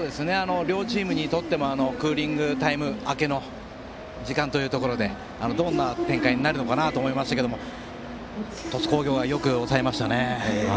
両チームにとってもクーリングタイム明けの時間というところでどんな展開になるのかなと思いましたが鳥栖工業がよく抑えましたね。